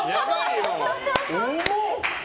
重っ！